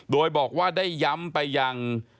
โดยบอกว่าได้ย้ำไปยัง